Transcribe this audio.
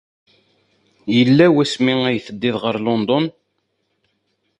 Yella wasmi ay teddiḍ ɣer London?